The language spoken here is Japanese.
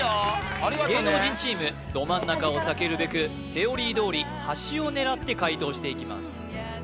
芸能人チームど真ん中を避けるべくセオリーどおり端を狙って解答していきます